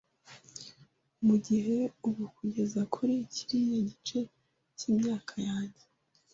Mugihe ubu kugeza kuri kiriya gice cyimyaka yanjye